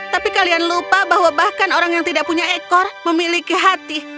tapi kalian lupa bahwa bahkan orang yang tidak punya ekor memiliki hati